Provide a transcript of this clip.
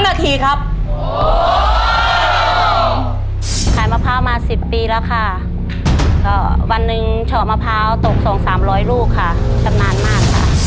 เฉอมะพร้าวตกสองสามร้อยลูกค่ะชำนาญมากค่ะ